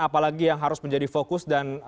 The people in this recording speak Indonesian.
apalagi yang harus menjadi fokus dan